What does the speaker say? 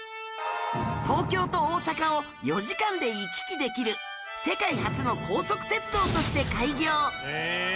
東京と大阪を４時間で行き来できる世界初の高速鉄道として開業